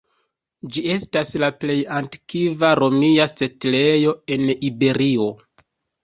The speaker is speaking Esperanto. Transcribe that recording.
Ĝi estas la plej antikva romia setlejo en Iberio.